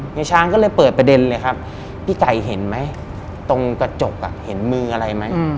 ยายช้างก็เลยเปิดประเด็นเลยครับพี่ไก่เห็นไหมตรงกระจกเห็นมืออะไรไหม